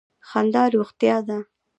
خندا روغتیا ده.